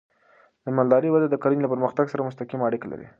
د مالدارۍ وده د کرنې له پرمختګ سره مستقیمه اړیکه لري.